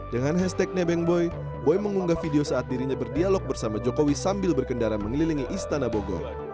dengan hashtag nebeng boy mengunggah video saat dirinya berdialog bersama jokowi sambil berkendara mengelilingi istana bogor